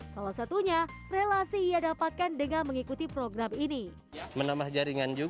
salah satunya relasi ia dapatkan dengan mengikuti program ini